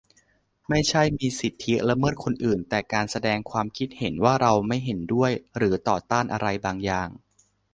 ไม่ใช่มีสิทธิละเมิดคนอื่น แต่การแสดงความคิดเห็นว่าเราไม่เห็นด้วยหรือต่อต้านอะไรบางอย่าง